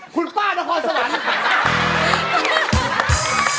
คุณป้านครอสวรรค์